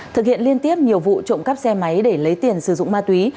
thực hiện liên tiếp nhiều vụ trộm cắp xe máy để lấy tiền sử dụng ma túy